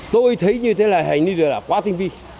tôi thấy như thế là hình như thế là quá tinh vi